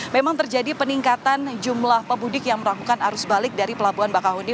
memang terjadi peningkatan jumlah pemudik yang melakukan arus balik dari pelabuhan bakahuni